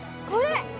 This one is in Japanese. ・これ！